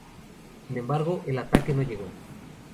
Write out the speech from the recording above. Sin embargo, el ataque no llegó.